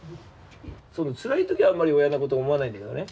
つらい時はあんまり親の事を思わないんだけどね。